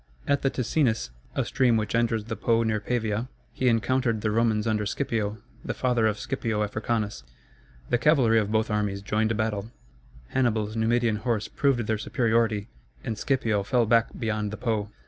At the Ticinus, a stream which enters the Po near Pavia, he encountered the Romans under Scipio, the father of Scipio Africanus. The cavalry of both armies joined battle, Hannibal's Numidian horse proved their superiority, and Scipio fell back beyond the Po.